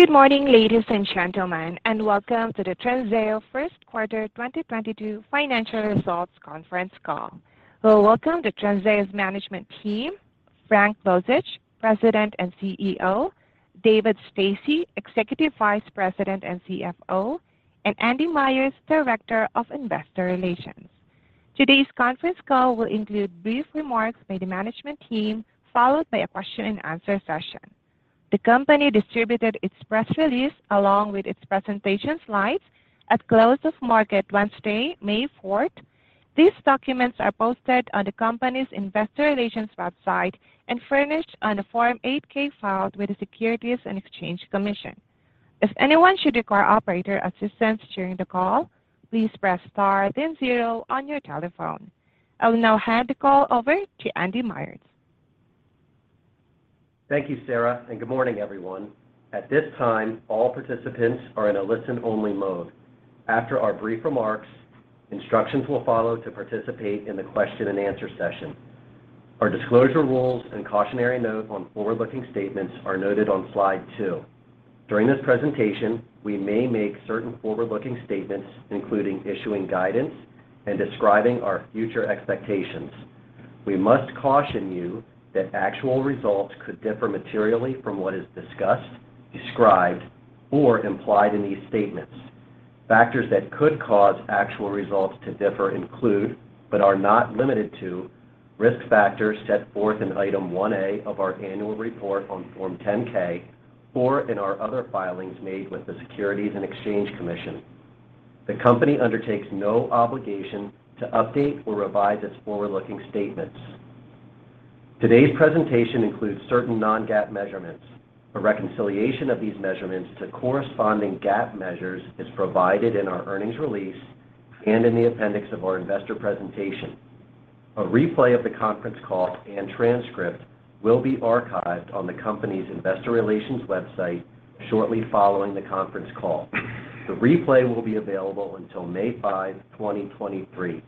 Good morning, ladies and gentlemen, and welcome to the Trinseo first quarter 2022 financial results conference call. We welcome Trinseo's management team, Frank Bozich, President and CEO, David Stasse, Executive Vice President and CFO, and Andy Myers, Director of Investor Relations. Today's conference call will include brief remarks by the management team, followed by a question and answer session. The company distributed its press release along with its presentation slides at close of market Wednesday, May fourth. These documents are posted on the company's investor relations website and furnished on a Form 8-K filed with the Securities and Exchange Commission. If anyone should require operator assistance during the call, please press star then zero on your telephone. I will now hand the call over to Andy Myers. Thank you, Sarah, and good morning, everyone. At this time, all participants are in a listen-only mode. After our brief remarks, instructions will follow to participate in the question and answer session. Our disclosure rules and cautionary note on forward-looking statements are noted on slide two. During this presentation, we may make certain forward-looking statements, including issuing guidance and describing our future expectations. We must caution you that actual results could differ materially from what is discussed, described, or implied in these statements. Factors that could cause actual results to differ include, but are not limited to, risk factors set forth in Item 1A of our annual report on Form 10-K or in our other filings made with the Securities and Exchange Commission. The company undertakes no obligation to update or revise its forward-looking statements. Today's presentation includes certain non-GAAP measures. A reconciliation of these measurements to corresponding GAAP measures is provided in our earnings release and in the appendix of our investor presentation. A replay of the conference call and transcript will be archived on the company's investor relations website shortly following the conference call. The replay will be available until May 5, 2023.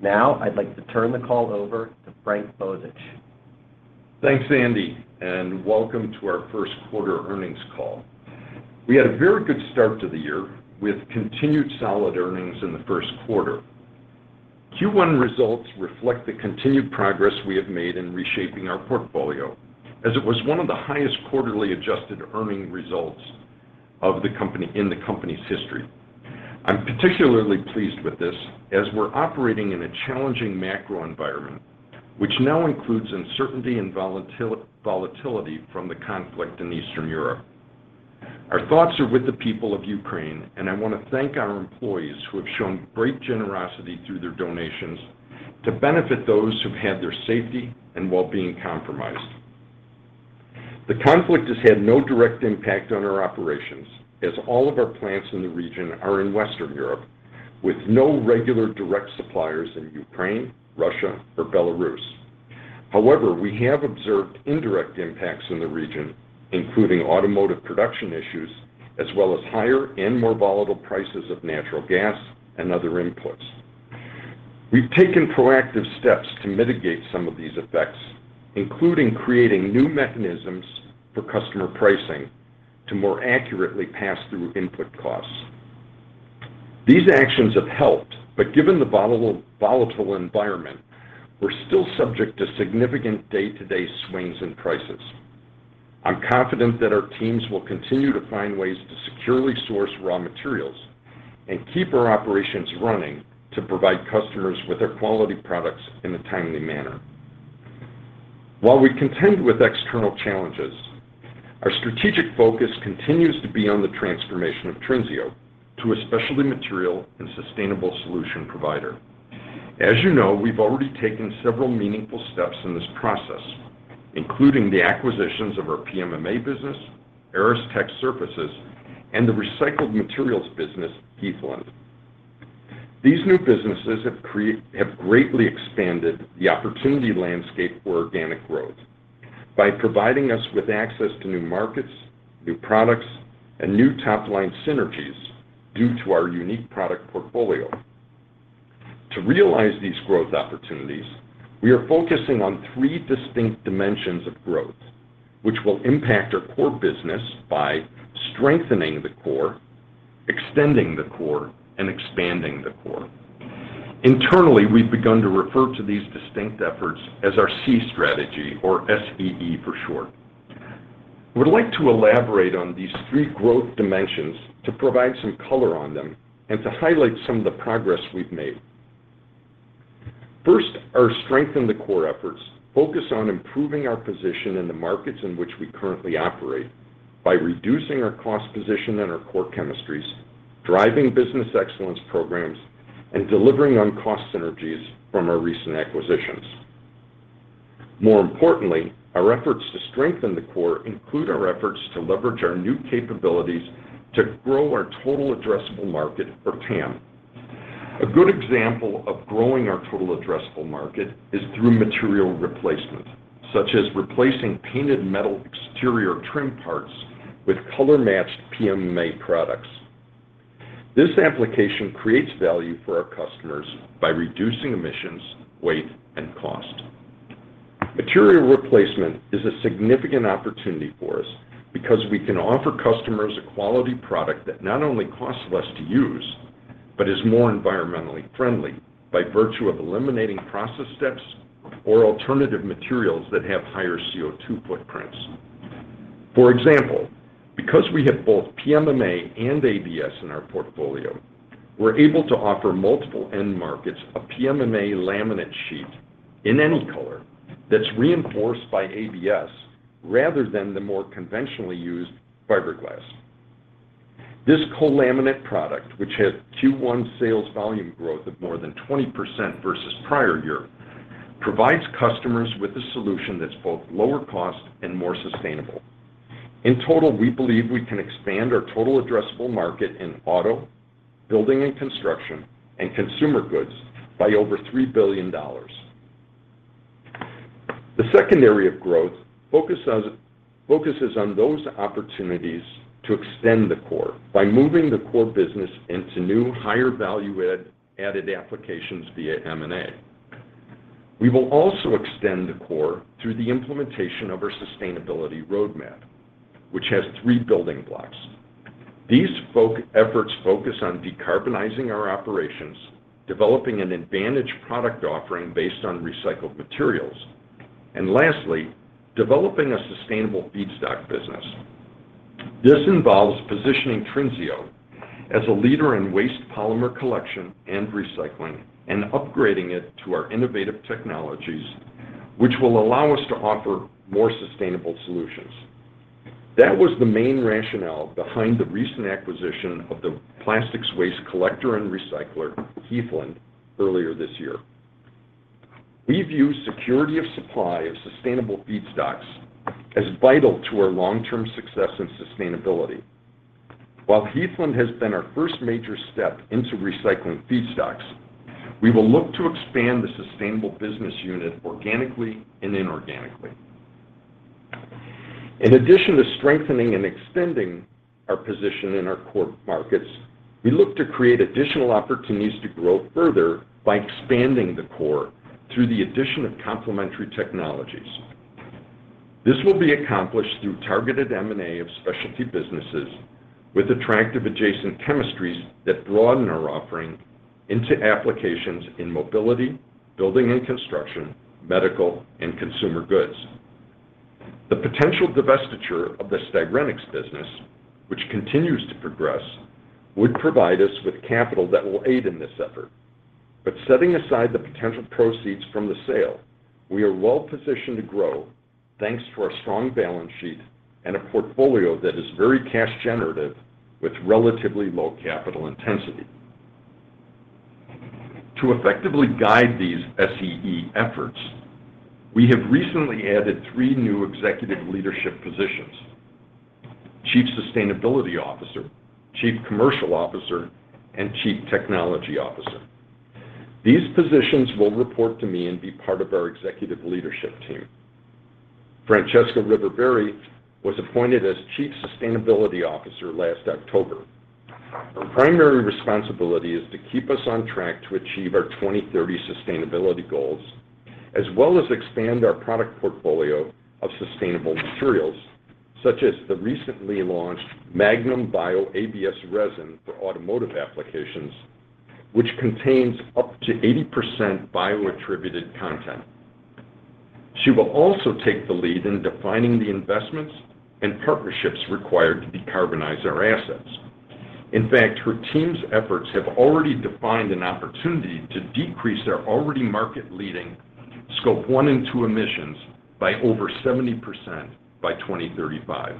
Now, I'd like to turn the call over to Frank Bozich. Thanks, Andy, and welcome to our first quarter earnings call. We had a very good start to the year with continued solid earnings in the first quarter. Q1 results reflect the continued progress we have made in reshaping our portfolio, as it was one of the highest quarterly adjusted earnings results of the company, in the company's history. I'm particularly pleased with this as we're operating in a challenging macro environment, which now includes uncertainty and volatility from the conflict in Eastern Europe. Our thoughts are with the people of Ukraine, and I wanna thank our employees who have shown great generosity through their donations to benefit those who've had their safety and wellbeing compromised. The conflict has had no direct impact on our operations as all of our plants in the region are in Western Europe with no regular direct suppliers in Ukraine, Russia or Belarus. However, we have observed indirect impacts in the region, including automotive production issues, as well as higher and more volatile prices of natural gas and other inputs. We've taken proactive steps to mitigate some of these effects, including creating new mechanisms for customer pricing to more accurately pass through input costs. These actions have helped, but given the volatile environment, we're still subject to significant day-to-day swings in prices. I'm confident that our teams will continue to find ways to securely source raw materials and keep our operations running to provide customers with their quality products in a timely manner. While we contend with external challenges, our strategic focus continues to be on the transformation of Trinseo to a specialty material and sustainable solution provider. As you know, we've already taken several meaningful steps in this process, including the acquisitions of our PMMA business, Aristech Surfaces, and the recycled materials business, Heathland. These new businesses have greatly expanded the opportunity landscape for organic growth by providing us with access to new markets, new products, and new top-line synergies due to our unique product portfolio. To realize these growth opportunities, we are focusing on three distinct dimensions of growth, which will impact our core business by strengthening the core, extending the core, and expanding the core. Internally, we've begun to refer to these distinct efforts as our SEE strategy or S-E-E for short. I would like to elaborate on these three growth dimensions to provide some color on them and to highlight some of the progress we've made. First, our strength in the core efforts focus on improving our position in the markets in which we currently operate by reducing our cost position in our core chemistries, driving business excellence programs, and delivering on cost synergies from our recent acquisitions. More importantly, our efforts to strengthen the core include our efforts to leverage our new capabilities to grow our total addressable market or TAM. A good example of growing our total addressable market is through material replacement, such as replacing painted metal exterior trim parts with color-matched PMMA products. This application creates value for our customers by reducing emissions, weight, and cost. Material replacement is a significant opportunity for us because we can offer customers a quality product that not only costs less to use, but is more environmentally friendly by virtue of eliminating process steps or alternative materials that have higher CO2 footprints. For example, because we have both PMMA and ABS in our portfolio, we're able to offer multiple end markets a PMMA laminate sheet in any color that's reinforced by ABS rather than the more conventionally used fiberglass. This co-laminate product, which had Q1 sales volume growth of more than 20% versus prior year, provides customers with a solution that's both lower cost and more sustainable. In total, we believe we can expand our total addressable market in auto, building and construction, and consumer goods by over $3 billion. The second area of growth focuses on those opportunities to extend the core by moving the core business into new higher value-added applications via M&A. We will also extend the core through the implementation of our sustainability roadmap, which has three building blocks. These efforts focus on decarbonizing our operations, developing an advantage product offering based on recycled materials, and lastly, developing a sustainable feedstock business. This involves positioning Trinseo as a leader in waste polymer collection and recycling and upgrading it to our innovative technologies, which will allow us to offer more sustainable solutions. That was the main rationale behind the recent acquisition of the plastics waste collector and recycler, Heathland, earlier this year. We view security of supply of sustainable feedstocks as vital to our long-term success and sustainability. While Heathland has been our first major step into recycling feedstocks, we will look to expand the sustainable business unit organically and inorganically. In addition to strengthening and extending our position in our core markets, we look to create additional opportunities to grow further by expanding the core through the addition of complementary technologies. This will be accomplished through targeted M&A of specialty businesses with attractive adjacent chemistries that broaden our offering into applications in mobility, building and construction, medical, and consumer goods. The potential divestiture of the Styrenics business, which continues to progress, would provide us with capital that will aid in this effort. Setting aside the potential proceeds from the sale, we are well positioned to grow thanks to our strong balance sheet and a portfolio that is very cash generative with relatively low capital intensity. To effectively guide these SEE efforts, we have recently added three new executive leadership positions, Chief Sustainability Officer, Chief Commercial Officer, and Chief Technology Officer. These positions will report to me and be part of our executive leadership team. Francesca Reverberi was appointed as Chief Sustainability Officer last October. Her primary responsibility is to keep us on track to achieve our 2030 sustainability goals, as well as expand our product portfolio of sustainable materials, such as the recently launched MAGNUM BIO ABS Resin for automotive applications, which contains up to 80% bio-attributed content. She will also take the lead in defining the investments and partnerships required to decarbonize our assets. In fact, her team's efforts have already defined an opportunity to decrease their already market-leading Scope 1 and 2 emissions by over 70% by 2035,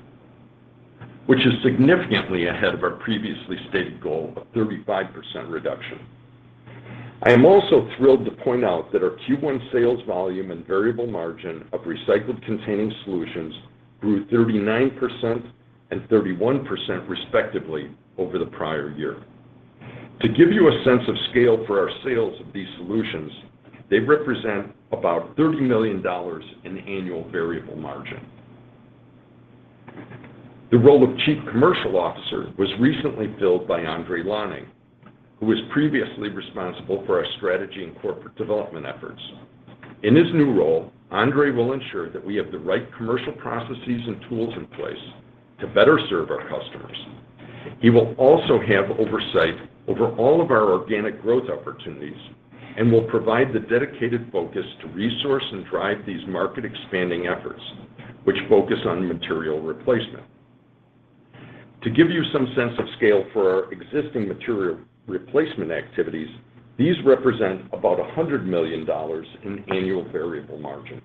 which is significantly ahead of our previously stated goal of 35% reduction. I am also thrilled to point out that our Q1 sales volume and variable margin of recycled-containing solutions grew 39% and 31% respectively over the prior year. To give you a sense of scale for our sales of these solutions, they represent about $30 million in annual variable margin. The role of Chief Commercial Officer was recently filled by André Lanning, who was previously responsible for our strategy and corporate development efforts. In his new role, André will ensure that we have the right commercial processes and tools in place to better serve our customers. He will also have oversight over all of our organic growth opportunities and will provide the dedicated focus to resource and drive these market-expanding efforts, which focus on material replacement. To give you some sense of scale for our existing material replacement activities, these represent about $100 million in annual variable margin.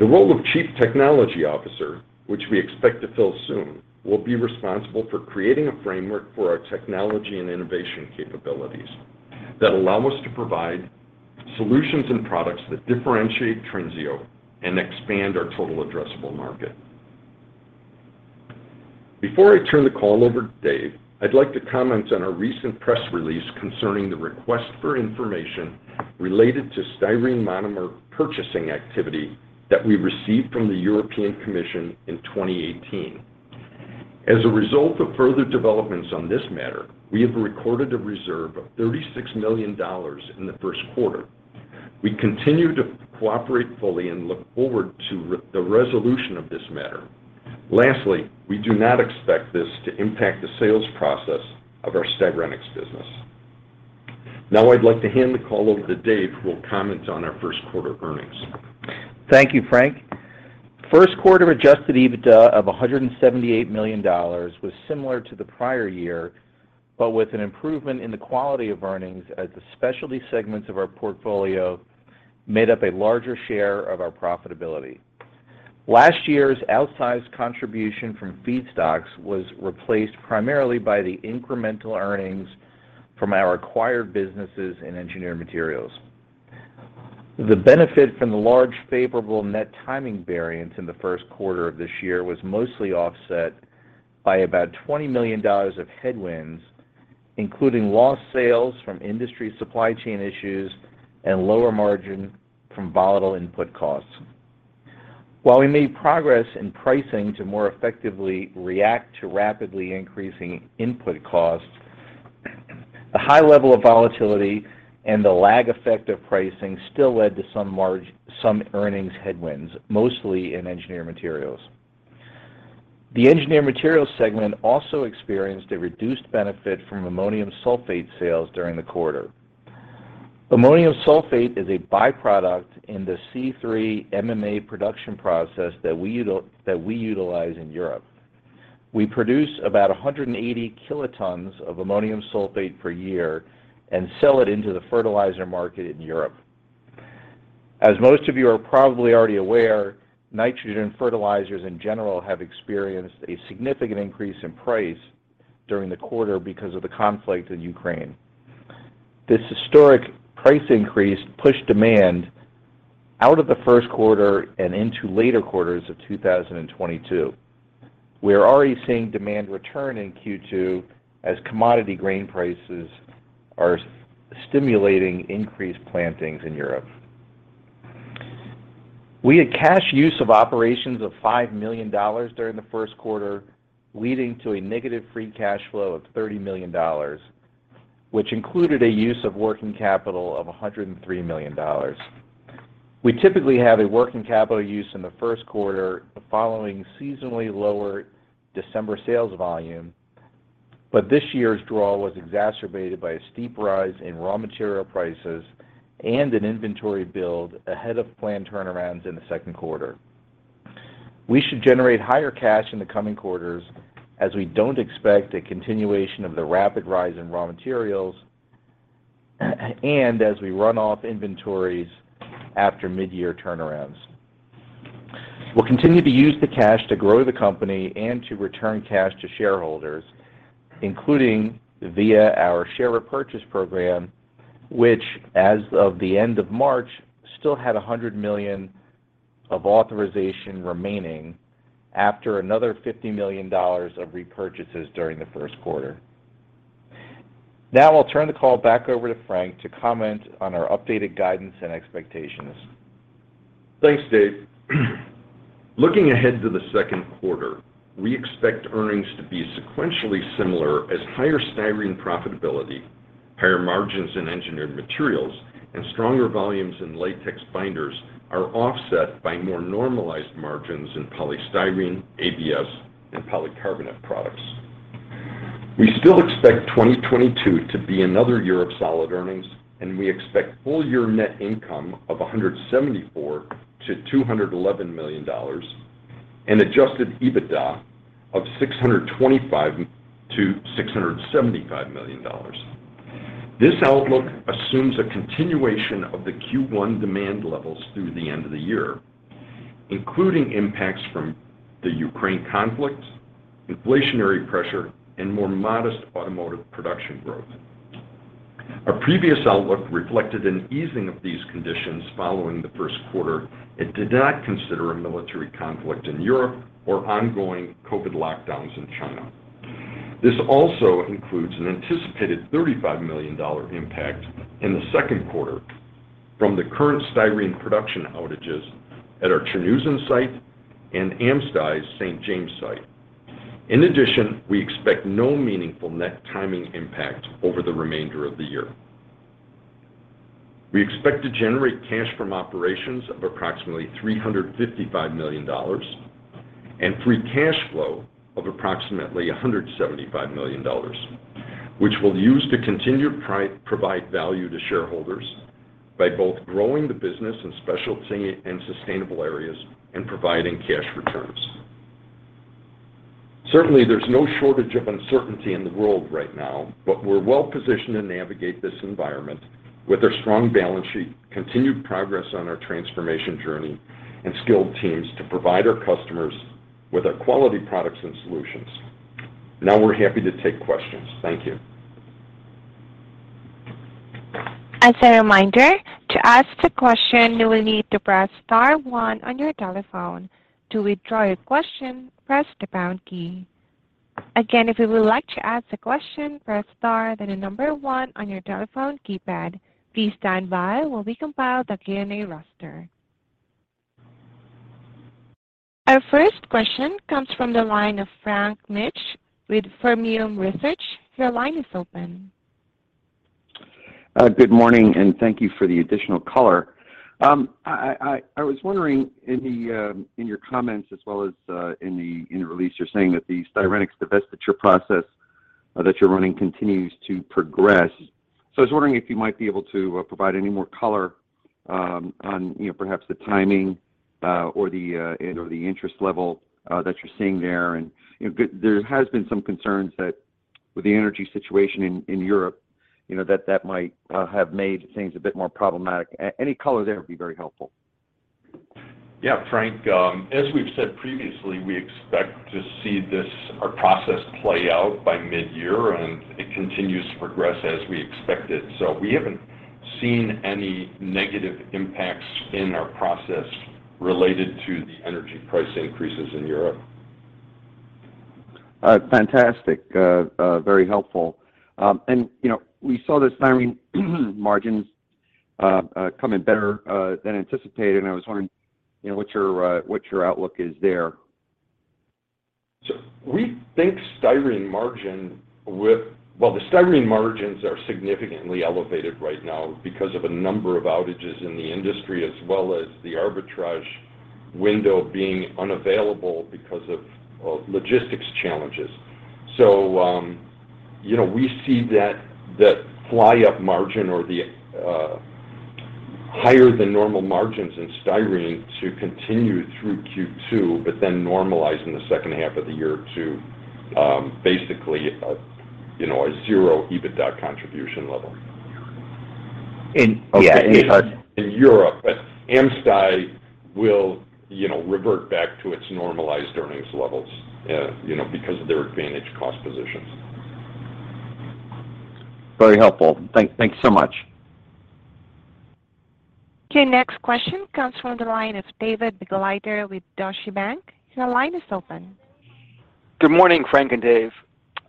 The role of Chief Technology Officer, which we expect to fill soon, will be responsible for creating a framework for our technology and innovation capabilities that allow us to provide solutions and products that differentiate Trinseo and expand our total addressable market. Before I turn the call over to Dave, I'd like to comment on our recent press release concerning the request for information related to styrene monomer purchasing activity that we received from the European Commission in 2018. As a result of further developments on this matter, we have recorded a reserve of $36 million in the first quarter. We continue to cooperate fully and look forward to the resolution of this matter. Lastly, we do not expect this to impact the sales process of our Styrenics business. Now I'd like to hand the call over to Dave, who will comment on our first quarter earnings. Thank you, Frank. First quarter adjusted EBITDA of $178 million was similar to the prior year, but with an improvement in the quality of earnings as the specialty segments of our portfolio made up a larger share of our profitability. Last year's outsized contribution from feedstocks was replaced primarily by the incremental earnings from our acquired businesses in Engineered Materials. The benefit from the large favorable net timing variance in the first quarter of this year was mostly offset by about $20 million of headwinds, including lost sales from industry supply chain issues and lower margin from volatile input costs. While we made progress in pricing to more effectively react to rapidly increasing input costs, the high level of volatility and the lag effect of pricing still led to some earnings headwinds, mostly in Engineered Materials. The Engineered Materials segment also experienced a reduced benefit from ammonium sulfate sales during the quarter. Ammonium sulfate is a byproduct in the C3 MMA production process that we utilize in Europe. We produce about 180 kilotons of ammonium sulfate per year and sell it into the fertilizer market in Europe. As most of you are probably already aware, nitrogen fertilizers in general have experienced a significant increase in price during the quarter because of the conflict in Ukraine. This historic price increase pushed demand out of the first quarter and into later quarters of 2022. We are already seeing demand return in Q2 as commodity grain prices are stimulating increased plantings in Europe. We had cash used in operations of $5 million during the first quarter, leading to a negative free cash flow of $30 million, which included a use of working capital of $103 million. We typically have a working capital use in the first quarter following seasonally lower December sales volume, but this year's draw was exacerbated by a steep rise in raw material prices and an inventory build ahead of planned turnarounds in the second quarter. We should generate higher cash in the coming quarters as we don't expect a continuation of the rapid rise in raw materials and as we run off inventories after mid-year turnarounds. We'll continue to use the cash to grow the company and to return cash to shareholders, including via our share repurchase program, which as of the end of March, still had 100 million of authorization remaining after another $50 million of repurchases during the first quarter. Now I'll turn the call back over to Frank to comment on our updated guidance and expectations. Thanks, Dave. Looking ahead to the second quarter, we expect earnings to be sequentially similar as higher styrene profitability, higher margins in Engineered Materials, and stronger volumes in Latex Binders are offset by more normalized margins in polystyrene, ABS, and polycarbonate products. We still expect 2022 to be another year of solid earnings, and we expect full year net income of $174 million-$211 million and adjusted EBITDA of $625 million-$675 million. This outlook assumes a continuation of the Q1 demand levels through the end of the year, including impacts from the Ukraine conflict, inflationary pressure, and more modest automotive production growth. Our previous outlook reflected an easing of these conditions following the first quarter and did not consider a military conflict in Europe or ongoing COVID lockdowns in China. This also includes an anticipated $35 million impact in the second quarter from the current styrene production outages at our Terneuzen site and AmSty's St. James site. In addition, we expect no meaningful net timing impact over the remainder of the year. We expect to generate cash from operations of approximately $355 million and free cash flow of approximately $175 million, which we'll use to continue to provide value to shareholders by both growing the business in specialty and sustainable areas and providing cash returns. Certainly, there's no shortage of uncertainty in the world right now, but we're well positioned to navigate this environment with our strong balance sheet, continued progress on our transformation journey, and skilled teams to provide our customers with our quality products and solutions. Now we're happy to take questions. Thank you. As a reminder, to ask a question, you will need to press star one on your telephone. To withdraw your question, press the pound key. Again, if you would like to ask a question, press star, then the number one on your telephone keypad. Please stand by while we compile the Q&A roster. Our first question comes from the line of Frank Mitsch with Fermium Research. Your line is open. Good morning, and thank you for the additional color. I was wondering in your comments as well as in the release, you're saying that the Styrenics divestiture process that you're running continues to progress. I was wondering if you might be able to provide any more color on, you know, perhaps the timing or, you know, the interest level that you're seeing there. You know, there has been some concerns that with the energy situation in Europe, you know, that might have made things a bit more problematic. Any color there would be very helpful. Yeah, Frank, as we've said previously, we expect to see this, our process play out by midyear, and it continues to progress as we expected. We haven't seen any negative impacts in our process related to the energy price increases in Europe. Fantastic. Very helpful. You know, we saw the styrene margins come in better than anticipated, and I was wondering, you know, what your outlook is there. We think the styrene margins are significantly elevated right now because of a number of outages in the industry, as well as the arbitrage window being unavailable because of, well, logistics challenges. You know, we see that fly up margin or the higher than normal margins in styrene to continue through Q2, but then normalize in the second half of the year to, basically, you know, a zero EBITDA contribution level. Okay. In Europe. AmSty will, you know, revert back to its normalized earnings levels, you know, because of their advantaged cost positions. Very helpful. Thank you so much. Okay. Next question comes from the line of David Begleiter with Deutsche Bank. Your line is open. Good morning, Frank and Dave.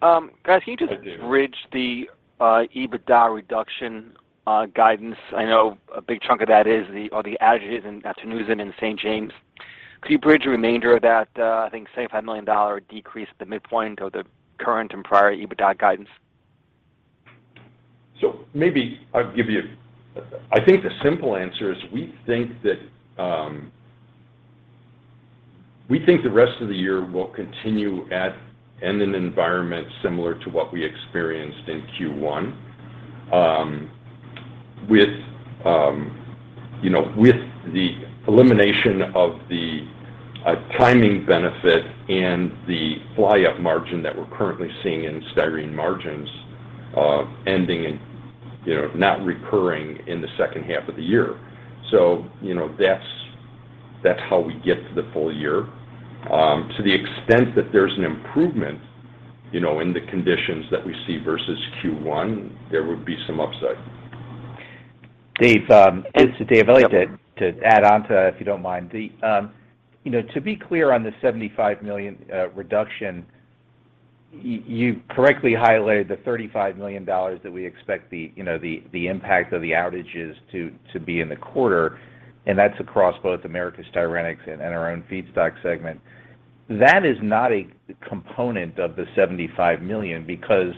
Guys, can you just- Hi, Dave. Bridge the EBITDA reduction guidance. I know a big chunk of that is the outages in St. James. Could you bridge the remainder of that, I think $75 million decrease at the midpoint of the current and prior EBITDA guidance? Maybe I'll give you. I think the simple answer is we think that the rest of the year will continue in an environment similar to what we experienced in Q1. With you know the elimination of the timing benefit and the fly up margin that we're currently seeing in styrene margins ending and you know not recurring in the second half of the year. You know that's how we get to the full year. To the extent that there's an improvement you know in the conditions that we see versus Q1, there would be some upside. Dave. Yes. This is Dave. I'd like to add on to that, if you don't mind. You know, to be clear on the 75 million reduction, you correctly highlighted the $35 million that we expect the impact of the outages to be in the quarter, and that's across both Americas Styrenics and our own feedstock segment. That is not a component of the 75 million because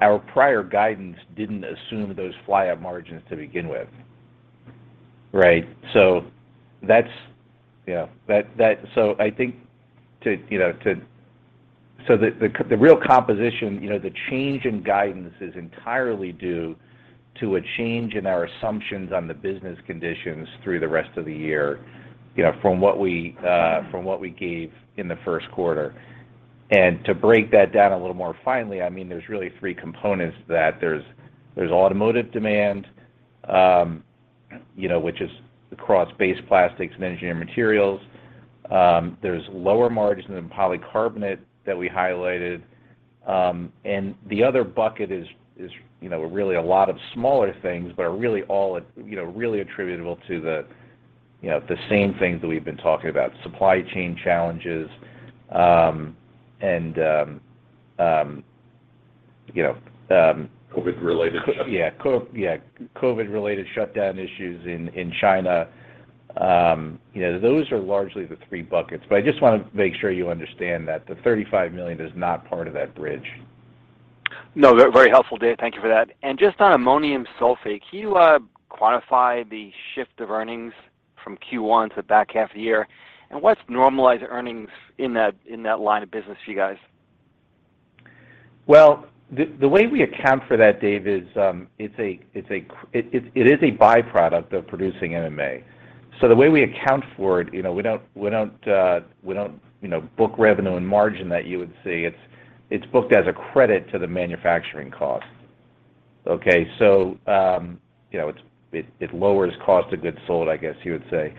our prior guidance didn't assume those higher margins to begin with. Right. Yeah. I think the real composition, you know, the change in guidance is entirely due to a change in our assumptions on the business conditions through the rest of the year, you know, from what we gave in the first quarter. To break that down a little more finely, I mean, there's really three components that there's automotive demand, you know, which is across base plastics and engineering materials. There's lower margins in polycarbonate that we highlighted. The other bucket is, you know, really a lot of smaller things, but are really all, you know, really attributable to the, you know, the same things that we've been talking about, supply chain challenges. COVID-related shutdown. Yeah. COVID-related shutdown issues in China. You know, those are largely the three buckets. I just wanna make sure you understand that the 35 million is not part of that bridge. No, very helpful, Dave. Thank you for that. Just on ammonium sulfate, can you quantify the shift of earnings from Q1 to the back half of the year? What's normalized earnings in that line of business for you guys? Well, the way we account for that, Dave, is it's a by-product of producing MMA. The way we account for it, you know, we don't book revenue and margin that you would see. It's booked as a credit to the manufacturing cost. Okay. You know, it lowers cost of goods sold, I guess you would say.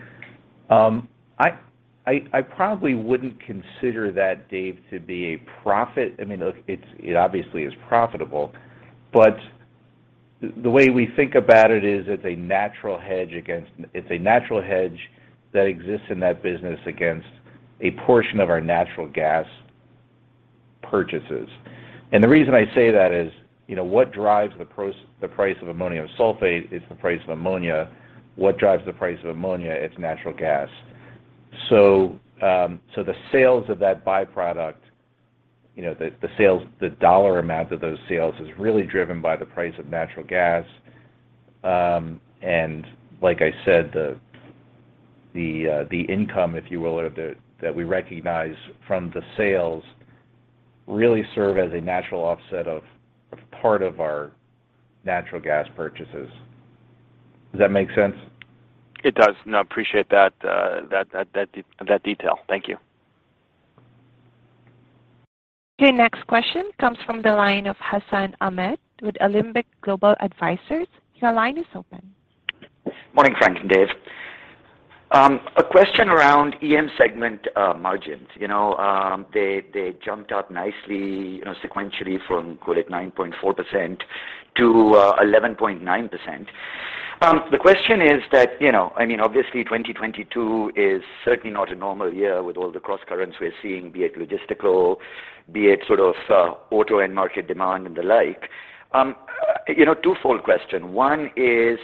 I probably wouldn't consider that, Dave, to be a profit. I mean, look, it obviously is profitable, but the way we think about it is it's a natural hedge that exists in that business against a portion of our natural gas. purchases. The reason I say that is, you know, what drives the price of ammonium sulfate is the price of ammonia. What drives the price of ammonia? It's natural gas. The sales of that byproduct, you know, the dollar amount of those sales is really driven by the price of natural gas. Like I said, the income, if you will, that we recognize from the sales really serve as a natural offset of part of our natural gas purchases. Does that make sense? It does. No, appreciate that detail. Thank you. Your next question comes from the line of Hassan Ahmed with Alembic Global Advisors. Your line is open. Morning, Frank and Dave. A question around EM segment, margins. You know, they jumped up nicely, you know, sequentially from, call it 9.4%-11.9%. The question is that, you know, I mean, obviously 2022 is certainly not a normal year with all the crosscurrents we're seeing, be it logistical, be it sort of, auto end market demand and the like. You know, twofold question. One is,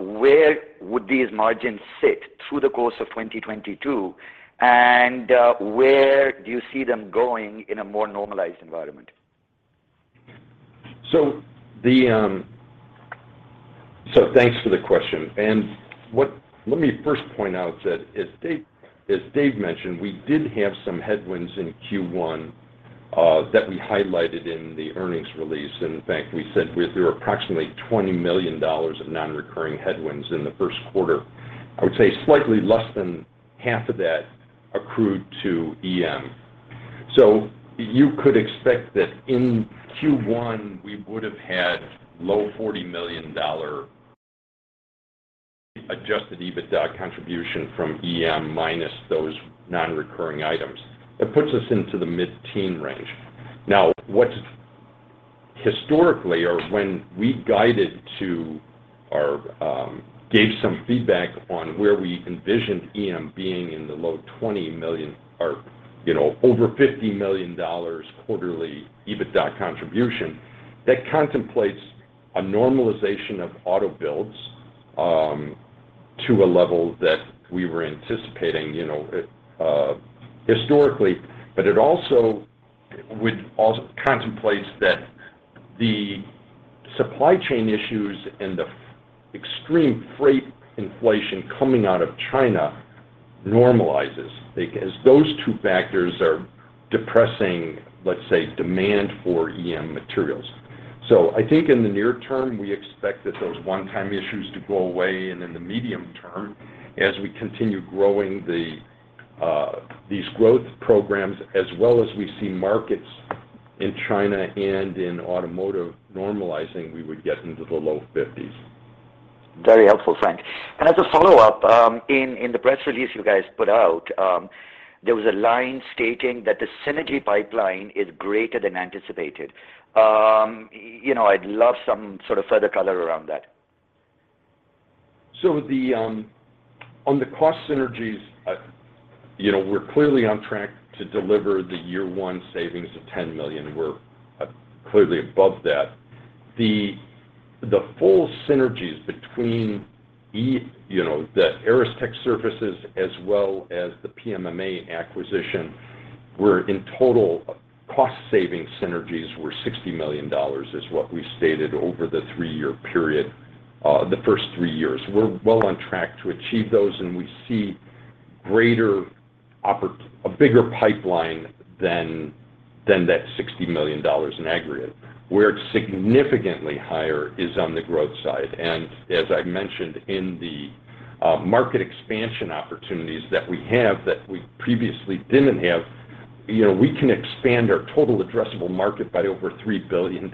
where would these margins sit through the course of 2022, and where do you see them going in a more normalized environment? Thanks for the question. Let me first point out that as Dave mentioned, we did have some headwinds in Q1 that we highlighted in the earnings release. In fact, we said they were approximately $20 million of non-recurring headwinds in the first quarter. I would say slightly less than half of that accrued to EM. You could expect that in Q1, we would have had low $40 million adjusted EBITDA contribution from EM minus those non-recurring items. It puts us into the mid-teen range. Historically, or when we guided to or gave some feedback on where we envisioned EM being in the low $20 million or, you know, over $50 million quarterly EBITDA contribution, that contemplates a normalization of auto builds to a level that we were anticipating, you know, historically. It also contemplates that the supply chain issues and the extreme freight inflation coming out of China normalizes because those two factors are depressing, let's say, demand for EM materials. I think in the near term, we expect that those one-time issues to go away. In the medium term, as we continue growing these growth programs, as well as we see markets in China and in automotive normalizing, we would get into the low 50s. Very helpful, Frank. As a follow-up, in the press release you guys put out, there was a line stating that the synergy pipeline is greater than anticipated. You know, I'd love some sort of further color around that. On the cost synergies, you know, we're clearly on track to deliver the year one savings of $10 million. We're clearly above that. The full synergies between the Aristech Surfaces as well as the PMMA acquisition were in total cost saving synergies were $60 million is what we stated over the three-year period, the first three years. We're well on track to achieve those, and we see greater a bigger pipeline than that $60 million in aggregate. Where it's significantly higher is on the growth side. As I mentioned in the market expansion opportunities that we have that we previously didn't have, you know, we can expand our total addressable market by over $3 billion.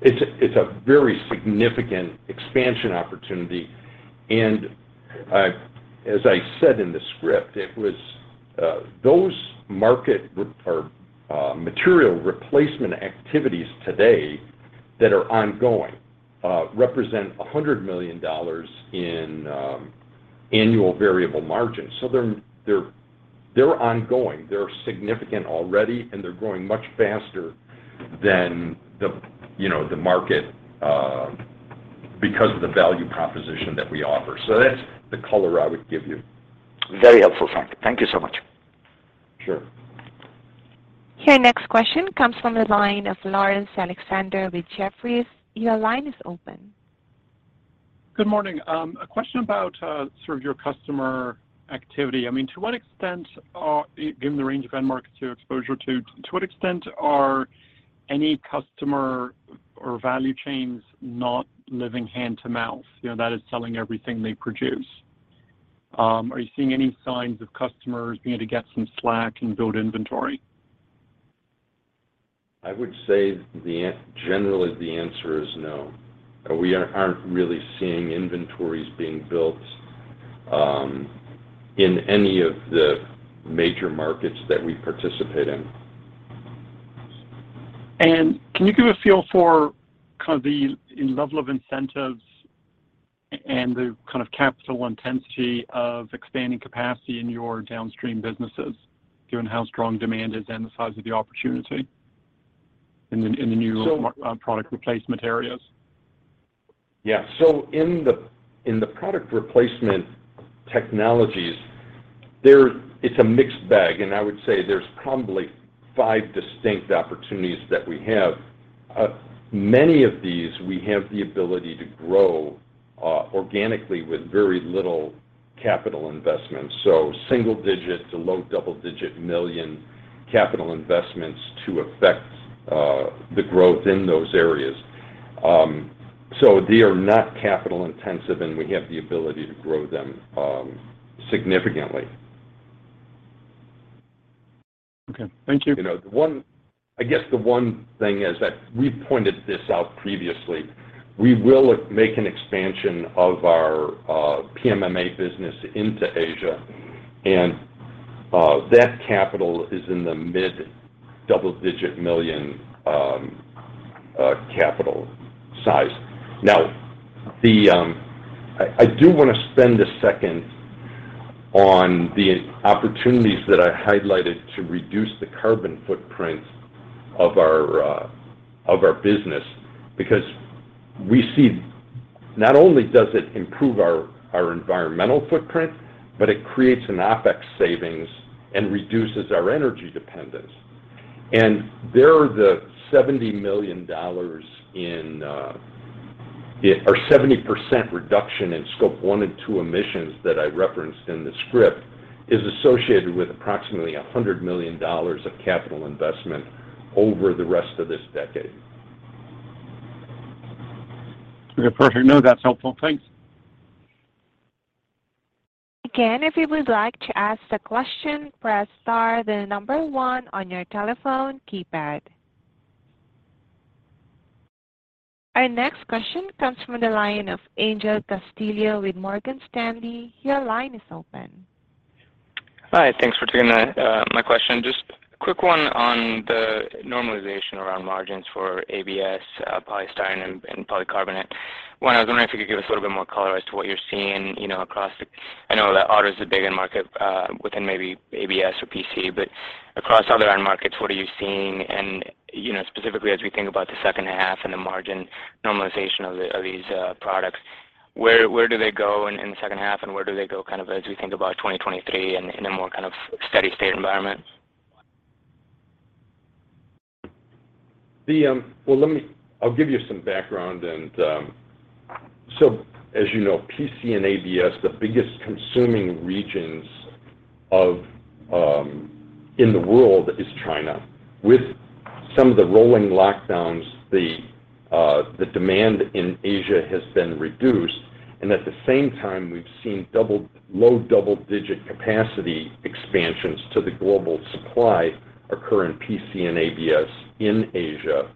It's a very significant expansion opportunity. I, as I said in the script, it was those market or material replacement activities today that are ongoing represent $100 million in annual variable margins. They're ongoing, they're significant already, and they're growing much faster than the market, you know, because of the value proposition that we offer. That's the color I would give you. Very helpful, Frank. Thank you so much. Sure. Your next question comes from the line of Laurence Alexander with Jefferies. Your line is open. Good morning. A question about sort of your customer activity. I mean, to what extent are, given the range of end markets you're exposed to what extent are any customers or value chains not living hand to mouth? You know, that is selling everything they produce. Are you seeing any signs of customers beginning to get some slack and build inventory? I would say generally the answer is no. We aren't really seeing inventories being built in any of the major markets that we participate in. Can you give a feel for kind of the incentive level of incentives and the kind of capital intensity of expanding capacity in your downstream businesses given how strong demand is and the size of the opportunity in the new- So- product replacement areas? In the product replacement technologies there, it's a mixed bag, and I would say there's probably five distinct opportunities that we have. Many of these we have the ability to grow organically with very little capital investment, so single-digit to low double-digit $ million capital investments to affect the growth in those areas. They are not capital intensive, and we have the ability to grow them significantly. Okay, thank you. You know, I guess the one thing is that we've pointed this out previously. We will make an expansion of our PMMA business into Asia, and that capital is in the mid double-digit million capital size. Now, I do wanna spend a second on the opportunities that I highlighted to reduce the carbon footprint of our business because we see not only does it improve our environmental footprint, but it creates an OpEx savings and reduces our energy dependence. There is the 70% reduction in Scope 1 and 2 emissions that I referenced in the script associated with approximately $100 million of capital investment over the rest of this decade. Okay, perfect. No, that's helpful. Thanks. Again, if you would like to ask a question, press star then number one on your telephone keypad. Our next question comes from the line of Aleksey Yefremov with Morgan Stanley. Your line is open. Hi. Thanks for taking my question. Just quick one on the normalization around margins for ABS, polystyrene and polycarbonate. One, I was wondering if you could give us a little bit more color as to what you're seeing, you know, across. I know that auto's the bigger market, within maybe ABS or PC, but across other end markets, what are you seeing? You know, specifically as we think about the second half and the margin normalization of these products, where do they go in the second half and where do they go kind of as we think about 2023 in a more kind of steady state environment? I'll give you some background and as you know, PC and ABS, the biggest consuming region in the world is China. With some of the rolling lockdowns, the demand in Asia has been reduced, and at the same time we've seen low double-digit capacity expansions to the global supply occur in PC and ABS in Asia.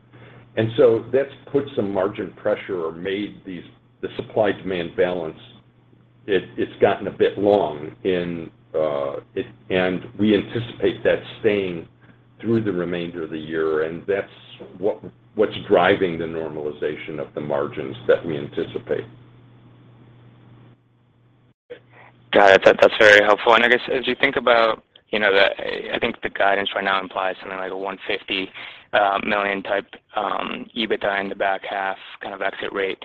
That's put some margin pressure or made the supply-demand balance, it's gotten a bit long and we anticipate that staying through the remainder of the year, and that's what's driving the normalization of the margins that we anticipate. Got it. That's very helpful. I guess as you think about, you know, the, I think the guidance right now implies something like a 150 million type EBITDA in the back half kind of exit rate,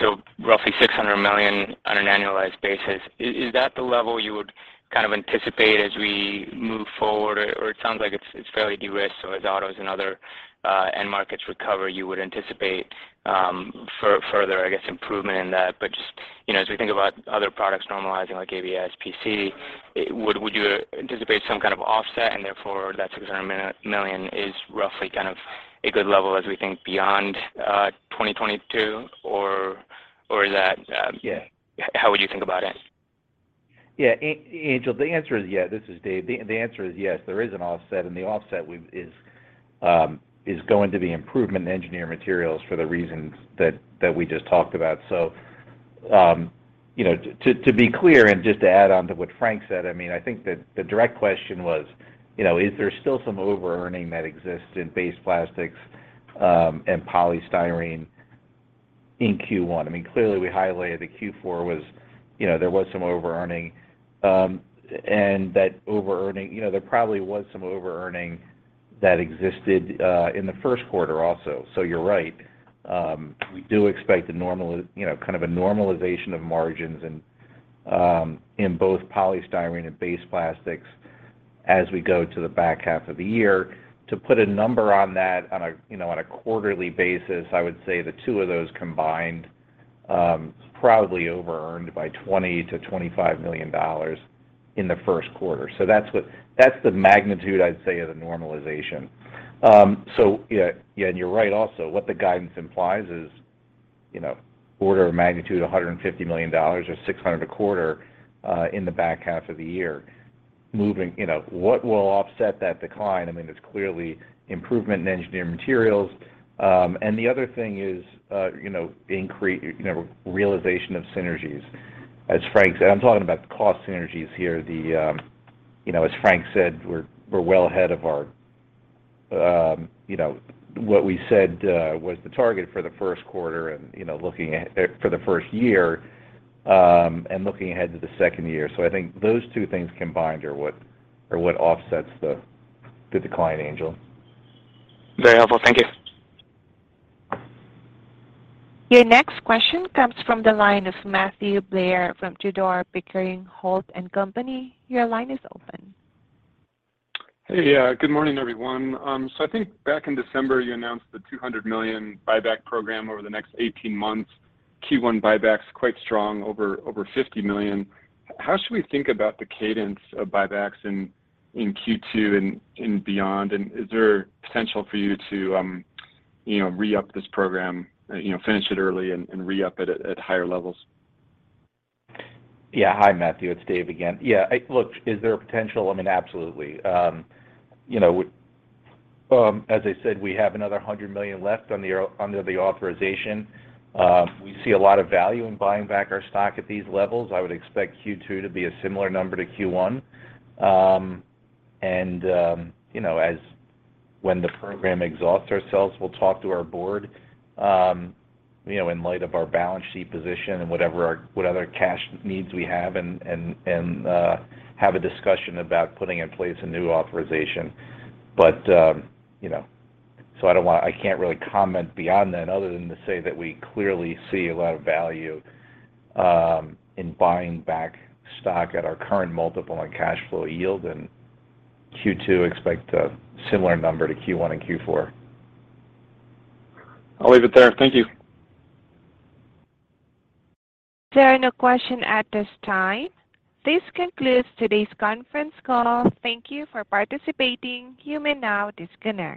so roughly 600 million on an annualized basis. Is that the level you would kind of anticipate as we move forward? Or it sounds like it's fairly de-risked, so as autos and other end markets recover, you would anticipate further, I guess, improvement in that. But just, you know, as we think about other products normalizing like ABS, PC, would you anticipate some kind of offset and therefore that 600 million is roughly kind of a good level as we think beyond 2022? Or is that Yeah. How would you think about it? Yeah. Aleksey Yefremov, the answer is yes. This is Dave. The answer is yes, there is an offset, and the offset is going to be improvement in Engineered Materials for the reasons that we just talked about. You know, to be clear, and just to add on to what Frank said, I mean, I think the direct question was, you know, is there still some overearning that exists in base plastics, and polystyrene in Q1? I mean, clearly we highlighted that Q4 was, you know, there was some overearning, and that overearning. You know, there probably was some overearning that existed in the first quarter also. You're right. We do expect a normal you know, kind of a normalization of margins in both polystyrene and base plastics as we go to the back half of the year. To put a number on that on a you know, on a quarterly basis, I would say the two of those combined probably overearned by $20-$25 million in the first quarter. That's what that's the magnitude I'd say of the normalization. Yeah. You're right also, what the guidance implies is you know order of magnitude $150 million or $600 million a quarter in the back half of the year. You know, what will offset that decline, I mean, is clearly improvement in Engineered Materials. The other thing is you know, increase you know realization of synergies. As Frank said, I'm talking about the cost synergies here. You know, as Frank Bozich said, we're well ahead of our, you know, what we said was the target for the first quarter and, you know, looking at for the first year, and looking ahead to the second year. I think those two things combined are what offsets the decline, Aleksey Yefremov. Very helpful. Thank you. Your next question comes from the line of Matthew Blair from Tudor, Pickering, Holt & Co. Your line is open. Hey. Yeah, good morning, everyone. I think back in December, you announced the 200 million buyback program over the next 18 months. Q1 buyback's quite strong, over 50 million. How should we think about the cadence of buybacks in Q2 and beyond? Is there potential for you to you know re-up this program, you know, finish it early and re-up at higher levels? Yeah. Hi, Matthew. It's Dave again. Yeah. Look, is there a potential? I mean, absolutely. You know, as I said, we have another 100 million left under the authorization. We see a lot of value in buying back our stock at these levels. I would expect Q2 to be a similar number to Q1. And you know, as when the program exhausts ourselves, we'll talk to our board, you know, in light of our balance sheet position and whatever what other cash needs we have and have a discussion about putting in place a new authorization. But you know I can't really comment beyond that other than to say that we clearly see a lot of value in buying back stock at our current multiple and cash flow yield. In Q2, expect a similar number to Q1 and Q4. I'll leave it there. Thank you. There are no questions at this time. This concludes today's conference call. Thank you for participating. You may now disconnect.